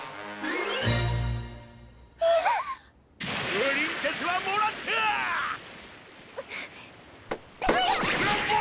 プリンセスはもらったぁ！